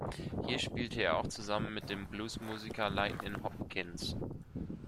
Hier spielte er auch zusammen mit dem Bluesmusiker Lightnin’ Hopkins.